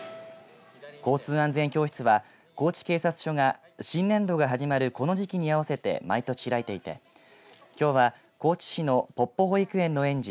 交通安全教室は高知警察署が新年度が始まるこの時期に合わせて毎年開いていてきょうは高知市のポッポ保育園の園児